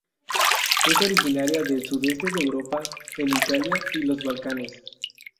Es originaria del sudeste de Europa en Italia y los Balcanes.